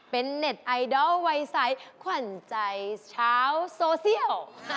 เป็นเน็ตไอดอลวัยใสขวัญใจชาวโซเชียล